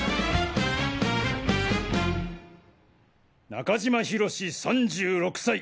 中島敬史３６歳。